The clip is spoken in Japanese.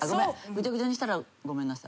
ぐちゃぐちゃにしたらごめんなさい。